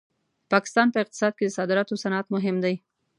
د پاکستان په اقتصاد کې د صادراتو صنعت مهم دی.